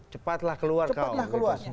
cepatlah keluar kau